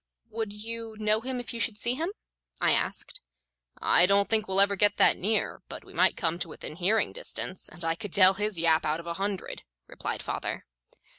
"Would you know him if you should see him?" I asked. "I don't think we'll ever get that near, but we might come to within hearing distance, and I could tell his yap out of a hundred," replied father.